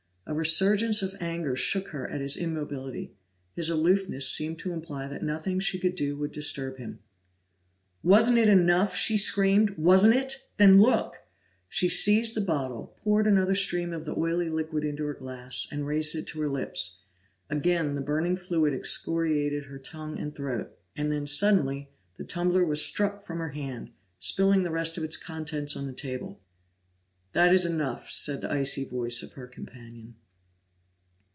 A resurgence of anger shook her at his immobility; his aloofness seemed to imply that nothing she could do would disturb him. "Wasn't it enough?" she screamed. "Wasn't it? Then look!" She seized the bottle, poured another stream of the oily liquid into her glass, and raised it to her lips. Again the burning fluid excoriated her tongue and throat, and then suddenly, the tumbler was struck from her hand, spilling the rest of its contents on the table. "That is enough," said the icy voice of her companion.